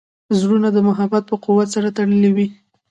زړونه د محبت په قوت سره تړلي وي.